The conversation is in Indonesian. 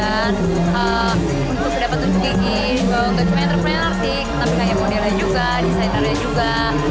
untuk mendapatkan kegiatan untuk entrepreneur entrepreneur tapi kayak modelnya juga desainernya juga